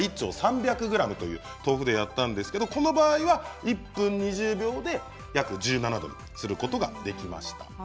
１丁３００ｇという豆腐でやったんですが、この場合は１分２０秒で約１７度にすることができました。